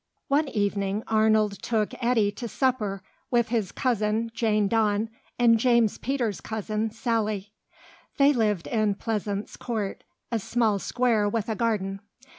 One evening Arnold took Eddy to supper with his cousin Jane Dawn and James Peters' cousin Sally. They lived in Pleasance Court, a small square with a garden.